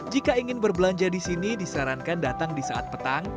jika ingin berbelanja di sini disarankan datang di saat petang